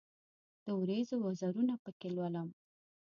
د اوریځو وزرونه پکښې لولم